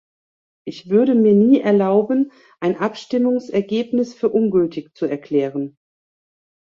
Ich würde mir nie erlauben, ein Abstimmungsergebnis für ungültig zu erklären.